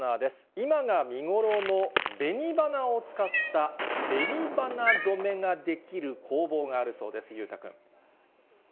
今が見頃のべに花を使ったべに花染めができる工房があるそうです、裕太君。